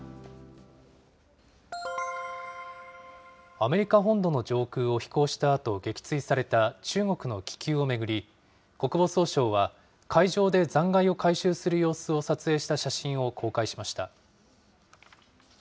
アメリカ本土の上空を飛行したあと撃墜された中国の気球を巡り、国防総省は海上で残骸を回収する様子を撮影した写真を公開しました。